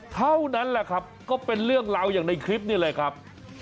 เท่านั้นแหละครับก็เป็นเรื่องราวอย่างในคลิปนี่แหละครับ